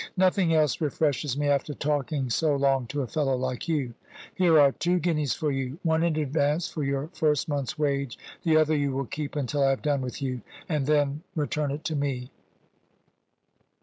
Nothing else refreshes me after talking so long to a fellow like you. Here are two guineas for you one in advance for your first month's wage; the other you will keep until I have done with you, and then return it to me."